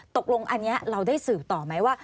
ตกลงอันนี้เราได้สืบต่อไหมว่า